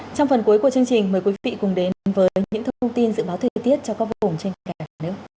trong phần cuối của chương trình mời quý vị cùng đến với những thông tin dự báo thời tiết cho các vùng trên cả nước